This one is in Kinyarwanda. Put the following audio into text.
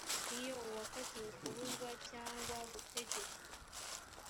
iyo uwakatiwe kubuzwa cyangwa gutegekwa